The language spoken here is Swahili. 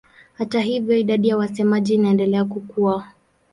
Hata hivyo idadi ya wasemaji inaendelea kukua.